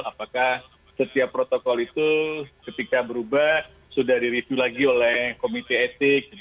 apakah setiap protokol itu ketika berubah sudah direview lagi oleh komite etik